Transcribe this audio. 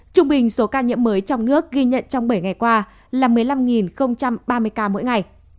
trung bình số ca nhiễm mới trong nước ghi nhận trong bảy ngày qua là một mươi năm ca